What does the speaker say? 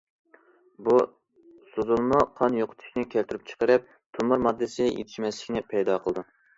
بۇ سوزۇلما قان يوقىتىشنى كەلتۈرۈپ چىقىرىپ، تۆمۈر ماددىسى يېتىشمەسلىكنى پەيدا قىلىدۇ.